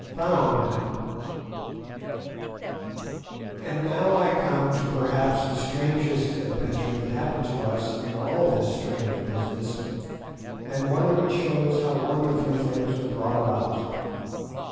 FOUND And now I come to perhaps the strangest adventure that happened to us in all this strange business, and one which shows how wonderfully things are brought about.